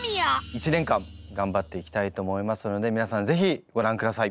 １年間頑張っていきたいと思いますので皆さんぜひご覧ください。